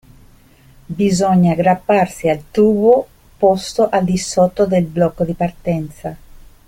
Bisogna aggrapparsi al tubo posto al di sotto del blocco di partenza.